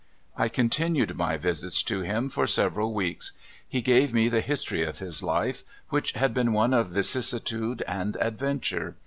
I continued my visits to him for several weeks. He gave me the history of his life, which had been one of vicissitude and adventure.